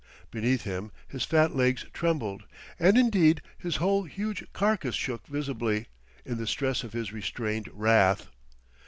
Beneath him his fat legs trembled, and indeed his whole huge carcass shook visibly, in the stress of his restrained wrath.